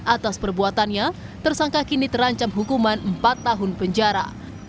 atas perbuatannya tersangka kini terancam hukuman empat tahun penjara